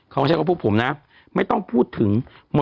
เขาใช้ว่าพวกผมนะไม่ต้องพูดถึง